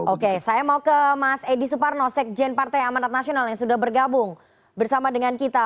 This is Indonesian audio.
oke saya mau ke mas edi suparno sekjen partai amanat nasional yang sudah bergabung bersama dengan kita